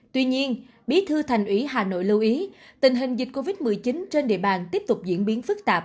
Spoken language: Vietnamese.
tuy nhiên bí thư thành ủy hà nội lưu ý tình hình dịch covid một mươi chín trên địa bàn tiếp tục diễn biến phức tạp